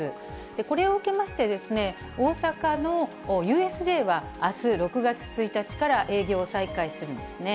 これを受けまして、大阪のＵＳＪはあす６月１日から営業を再開するんですね。